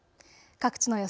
各地の予想